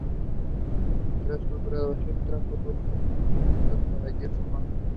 Tras su graduación, trabajó dos años como pintor para Jeff Koons.